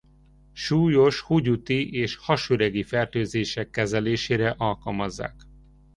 Súlyos húgyúti és hasüregi fertőzések kezelésére alkalmazzák.